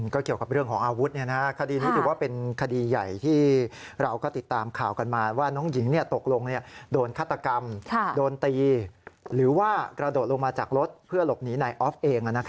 ก็เกี่ยวกับเรื่องของอาวุธคดีนี้ถือว่าเป็นคดีใหญ่ที่เราก็ติดตามข่าวกันมาว่าน้องหญิงตกลงโดนฆาตกรรมโดนตีหรือว่ากระโดดลงมาจากรถเพื่อหลบหนีนายออฟเอง